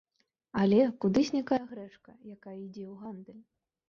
Але, куды знікае грэчка, якая ідзе ў гандаль?